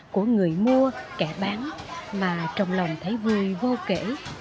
của người mua kẻ bán mà trong lòng thấy vui vô kể